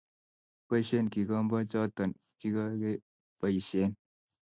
boishen kigombochoto chigogeboishen